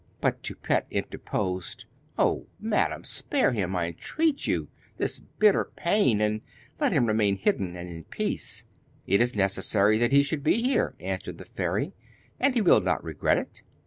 But Toupette interposed: 'Oh, Madam, spare him, I entreat you, this bitter pain, and let him remain hidden and in peace.' 'It is necessary that he should be here,' answered the fairy, 'and he will not regret it.